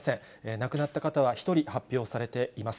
亡くなった方は１人発表されています。